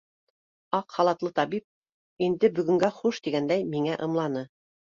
— Аҡ халатлы табип, инде бөгөнгә хуш тигәндәй, миңә ымланы.